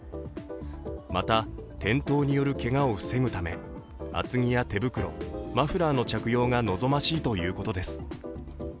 また、転倒によるけがを防ぐため厚着や手袋、マフラーの着用が望ましいということです。